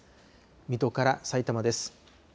水戸からさいたまです。